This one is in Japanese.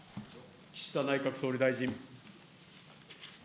岸田内閣総理大臣。